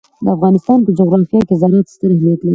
د افغانستان په جغرافیه کې زراعت ستر اهمیت لري.